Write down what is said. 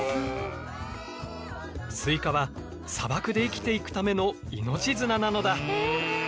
スイカは砂漠で生きていくための命綱なのだ。